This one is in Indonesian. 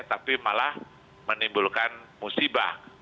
tapi malah menimbulkan musibah